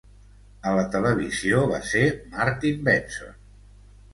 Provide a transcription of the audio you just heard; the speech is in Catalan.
A la televisió, va ser Martin Benson.